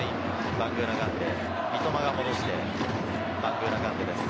バングーナガンデ、三笘が戻して、バングーナガンデです。